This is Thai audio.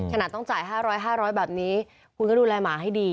ขนาดต้องจ่าย๕๐๐๕๐๐แบบนี้คุณก็ดูแลหมาให้ดี